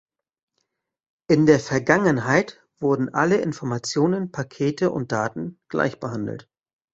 In der Vergangenheit wurden alle Informationen, Pakete und Daten gleich behandelt.